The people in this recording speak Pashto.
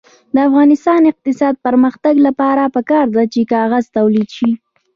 د افغانستان د اقتصادي پرمختګ لپاره پکار ده چې کاغذ تولید شي.